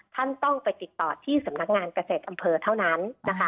ท่านต้องไปติดต่อที่สำนักงานเกษตรอำเภอเท่านั้นนะคะ